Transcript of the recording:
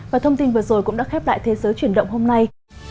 và thông tin vừa rồi cũng đã khép lại thế giới chuyển động hôm nay